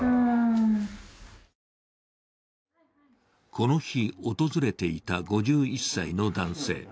この日訪れていた５１歳の男性。